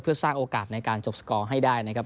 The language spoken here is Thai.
เพื่อสร้างโอกาสในการจบสกอร์ให้ได้นะครับ